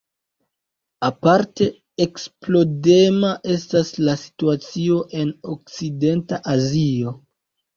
Aparte eksplodema estas la situacio en okcidenta Azio.